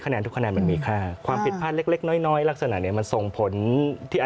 จะเอาไปจัดการต่อ